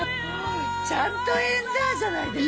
ちゃんと「エンダァ」じゃないですか！